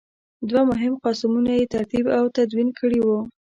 دوه مهم قاموسونه یې ترتیب او تدوین کړي وو.